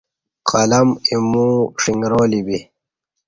قلم ایمو ݜݣرالی بی